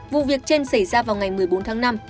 vụ việc trên xảy ra vào ngày một mươi bốn tháng năm